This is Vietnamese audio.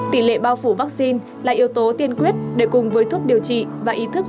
tỷ lệ bao phủ vaccine là yếu tố tiên quyết để cùng với thuốc điều trị và ý thức